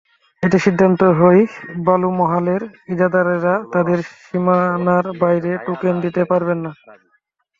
এতে সিদ্ধান্ত হয়, বালুমহালের ইজারাদারেরা তাঁদের সীমানার বাইরে টোকেন দিতে পারবেন না।